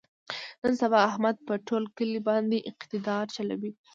نن سبا احمد په ټول کلي باندې اقتدار چلوي.